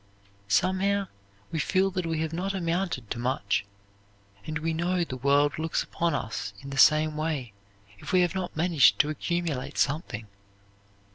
Somehow, we feel that we have not amounted to much, and we know the world looks upon us in the same way if we have not managed to accumulate something.